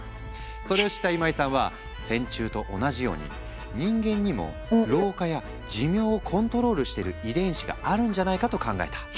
それを知った今井さんは線虫と同じように人間にも老化や寿命をコントロールしている遺伝子があるんじゃないかと考えた。